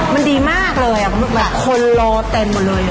มันดีมากเลยอ่ะเหมือนแบบคนรอเต็มหมดเลย